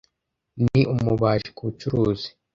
Ni umubaji kubucuruzi.